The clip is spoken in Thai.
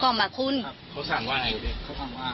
เขาสั่งว่าไงคุณพี่เขาสั่งว่า